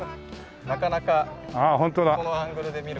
なかなかこのアングルで見る事ない。